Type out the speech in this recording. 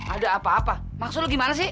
ada apa apa maksud lu gimana sih